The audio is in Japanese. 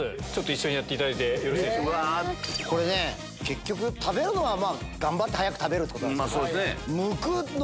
これね結局食べるのは頑張って早く食べるってこと。